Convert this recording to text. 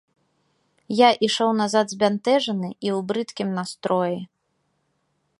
Я ішоў назад збянтэжаны і ў брыдкім настроі.